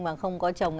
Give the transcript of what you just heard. mà không có chồng